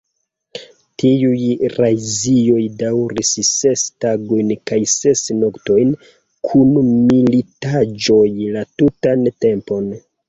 Tiuj razioj daŭris ses tagojn kaj ses noktojn, kun militaĵoj la tutan tempon.